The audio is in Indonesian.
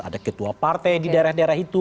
ada ketua partai di daerah daerah itu